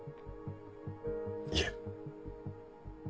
いえ。